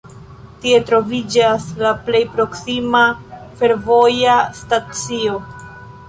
Tie troviĝas la plej proksima fervoja stacio.